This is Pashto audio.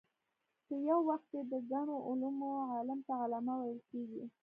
په یو وخت کې د ګڼو علومو عالم ته علامه ویل کېږي.